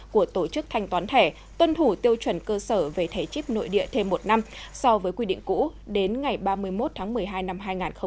của tổ chức thanh toán thẻ tuân thủ tiêu chuẩn cơ sở về thẻ chip nội địa thêm một năm so với quy định cũ đến ngày ba mươi một tháng một mươi hai năm hai nghìn hai mươi